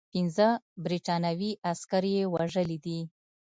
پنځه برټانوي عسکر یې وژلي دي.